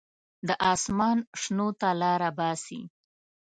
د اسمان شنو ته لاره باسي.